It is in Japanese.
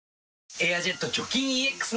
「エアジェット除菌ＥＸ」